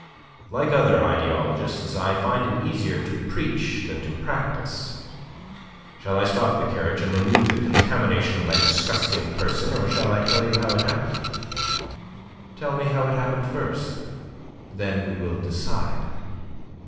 Like other ideologists, I find it easier to preach than to practise. Shall I stop the carriage and remove the contamination of my disgusting person? Or shall I tell you how it happened?" "Tell me how it happened first. Then we will decide."